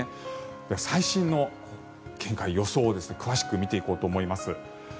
最新の見解、予想ですが詳しく見ていこうと思います。